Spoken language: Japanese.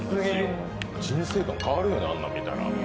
人生観変わるよな、あんなの見たら。